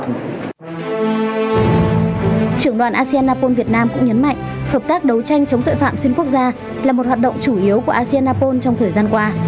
trưởng đoàn aseanapol việt nam cũng nhấn mạnh hợp tác đấu tranh chống tội phạm xuyên quốc gia là một hoạt động chủ yếu của aseanapol trong thời gian qua